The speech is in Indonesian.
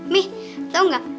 mi tau gak